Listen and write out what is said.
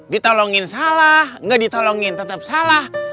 ditalongin salah nggak ditolongin tetep salah